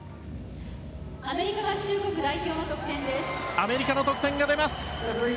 アメリカの得点が出ます。